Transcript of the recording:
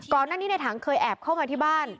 ก่อนหน้านี้ในถังเคยแอบเข้ามาที่บ้าน